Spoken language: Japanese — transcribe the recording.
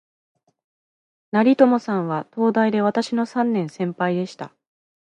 成友さんは、東大で私の三年先輩でした